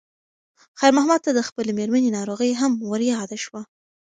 خیر محمد ته د خپلې مېرمنې ناروغي هم ور یاده شوه.